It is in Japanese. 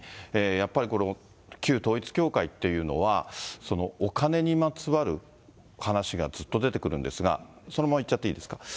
やっぱりこれも旧統一教会というのは、お金にまつわる話がずっと出てくるんですが、そのままいっちゃっていいですか。